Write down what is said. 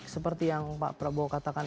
seperti yang pak prabowo katakan